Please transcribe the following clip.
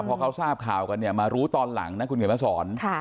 พอเขาทราบข่าวกันเนี่ยมารู้ตอนหลังนะคุณเขียนมาสอน